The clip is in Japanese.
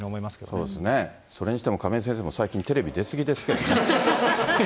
そうですね、それにしても、亀井先生も最近、テレビ出過ぎですけどね。